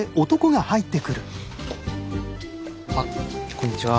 あっこんにちは。